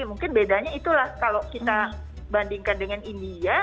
mungkin bedanya itulah kalau kita bandingkan dengan india